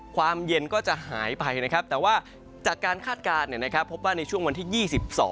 ความเย็นก็จะหายไปนะครับแต่ว่าจากการคาดการณ์พบว่าในช่วงวันที่๒๒